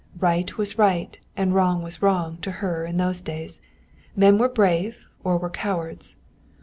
Right was right and wrong was wrong to her in those days. Men were brave or were cowards.